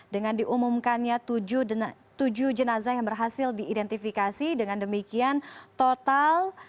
dengan diumumkannya tujuh jenazah yang berhasil diidentifikasi dengan demikian total